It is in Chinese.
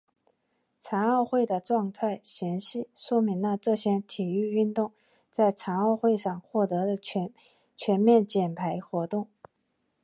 残奥会的状态详细说明了这些体育运动在残奥会上获得的全面奖牌活动。